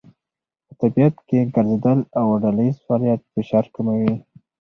په طبیعت کې ګرځېدل او ډلهییز فعالیت فشار کموي.